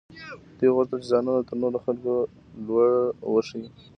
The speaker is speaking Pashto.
دوی غوښتل چې ځانونه تر نورو خلکو لوړ وښيي.